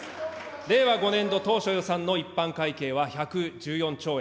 令和５年度当初予算の一般会計は１１４兆円。